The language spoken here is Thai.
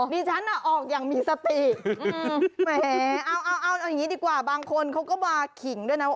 อ๋อนี่ฉันออกอย่างมีสติเอาอย่างนี้ดีกว่าบางคนเขาก็มาขิงด้วยนะ